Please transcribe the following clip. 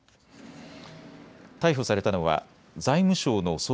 逮捕されたのは財務省の総括